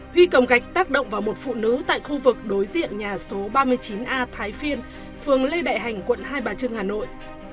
huy cầm gạch tác động vào một phụ nữ tại khu vực đối diện nhà số ba mươi chín a thái phiên phường lê đại hành quận hai bà trưng hà nội